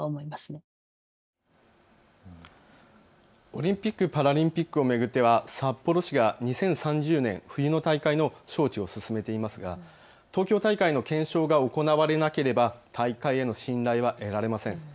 オリンピック・パラリンピックを巡っては札幌市が２０３０年冬の大会の招致を進めていますが東京大会の検証が行われなければ大会への信頼は得られません。